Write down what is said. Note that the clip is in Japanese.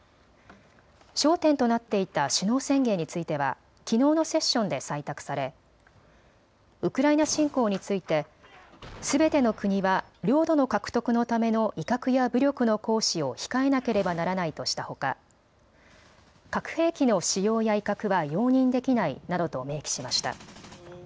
焦点となっていた首脳宣言についてはきのうのセッションで採択されウクライナ侵攻についてすべての国は領土の獲得のための威嚇や武力の行使を控えなければならないとしたほか核兵器の使用や威嚇は容認できないなどと明記しました。